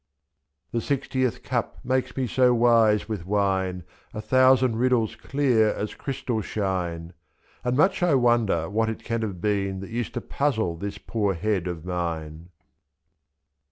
90 The sixtieth cup makes me so wise with wine, A thousand riddles clear as crystal shine, 22^. And much I wonder what it can have been That used to puzzle this poor head of mine.